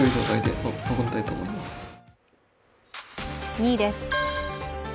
２位です。